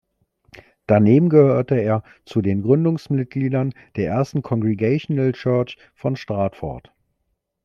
Daneben gehörte er zu den Gründungsmitgliedern der ersten Congregational Church von Stratford.